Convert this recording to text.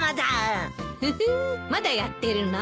フフッまだやってるの？